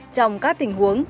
trong các tình huống